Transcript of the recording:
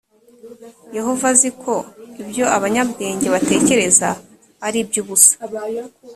yehova azi ko ibyo abanyabwenge batekereza ari iby’ubusa